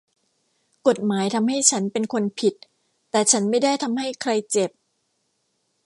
กฎหมายทำให้ฉันเป็นคนผิดแต่ฉันไม่ได้ทำให้ใครเจ็บ